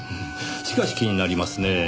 しかし気になりますねぇ。